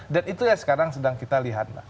dan itu yang sekarang sedang kita lihat